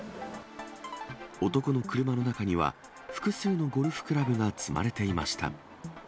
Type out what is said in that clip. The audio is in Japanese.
男の車の中には、複数のゴルフクラブが積まれていました。